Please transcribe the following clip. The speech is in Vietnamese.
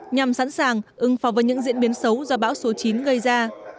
nhằm sẵn sàng ưng phòng với những diễn biến xấu do bão số chín gây ra